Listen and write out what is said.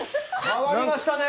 変わりましたね！